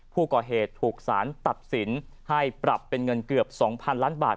ผู้ก่อเหตุถูกสารตัดสินให้ปรับเป็นเงินเกือบ๒๐๐๐ล้านบาท